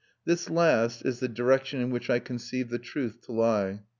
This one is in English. This last is the direction in which I conceive the truth to lie.